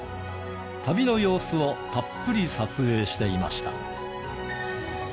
旅の様子をたっぷり撮影していました。